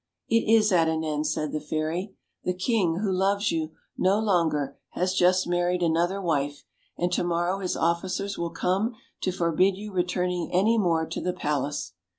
"it is at an end," said the fairy; "the king, who loves you no longer, has just married another wife, and to morrow his officers will come to forbid you returning any more to the palace."